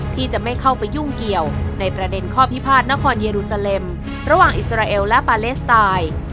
ที่จะไม่เข้าไปยุ่งเกี่ยวในประเด็นข้อพิพาทนครเยรูซาเลมระหว่างอิสราเอลและปาเลสไตน์